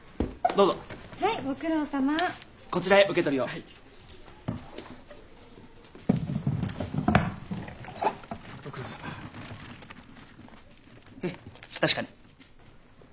うん確かに。